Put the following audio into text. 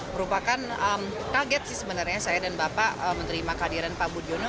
merupakan kaget sih sebenarnya saya dan bapak menerima kehadiran pak budiono